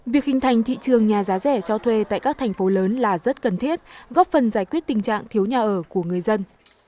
việc hình thành thị trường nhà giá rẻ cho thuê tại các thành phố lớn là rất cần thiết góp phần giải quyết tình trạng thiếu nhà ở của người dân